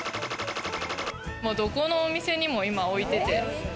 どこのお店にも今置いてて。